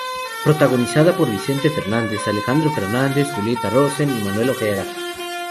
Protagonizada por Vicente Fernández, Alejandro Fernández, Julieta Rosen y Manuel Ojeda.